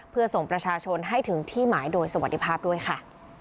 เพื่อส่งประชาชนให้ถึงที่หมายโดยสวัสดีภาพด้วยค่ะ